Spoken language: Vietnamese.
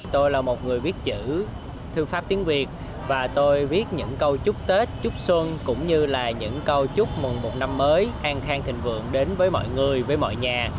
tôi là một người viết chữ thư pháp tiếng việt và tôi viết những câu chúc tết chúc xuân cũng như là những câu chúc mừng một năm mới an khang thịnh vượng đến với mọi người với mọi nhà